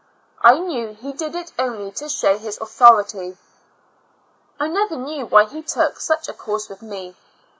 I knew he did it only to show his autho rity. I never knew why he took such a course with me.